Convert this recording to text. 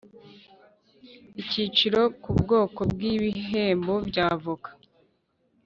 Akiciro k Ubwoko bw ibihembo by avoka